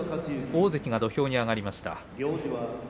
大関が土俵に上がりました。